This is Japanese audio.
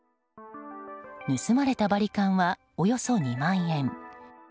盗まれたバリカンはおよそ２万円。